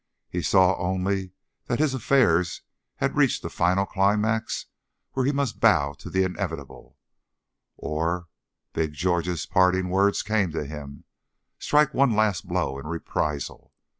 He saw only that his affairs had reached a final climax where he must bow to the inevitable, or Big George's parting words came to him strike one last blow in reprisal.